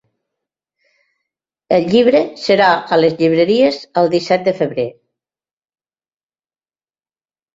El llibre serà a les llibreries el disset de febrer.